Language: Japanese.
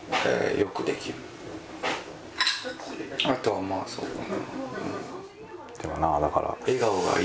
あとあとはまあそうだな。